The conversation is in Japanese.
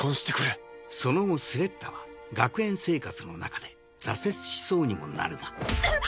その後スレッタは学園生活のなかで挫折しそうにもなるがうっ！